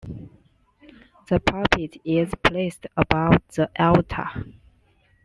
The pulpit is placed above the altar.